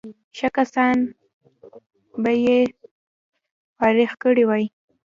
ښه کسان به یې فارغ کړي وای.